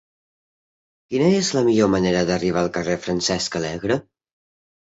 Quina és la millor manera d'arribar al carrer de Francesc Alegre?